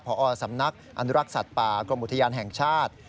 พอสำนักอนุรักษ์สัตว์ป่ากรมอุทยานแห่งชาติ